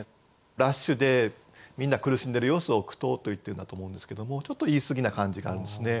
ラッシュでみんな苦しんでる様子を「苦闘」と言ってるんだと思うんですけどもちょっと言い過ぎな感じがあるんですね。